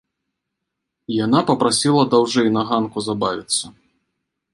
Яна папрасіла даўжэй на ганку забавіцца.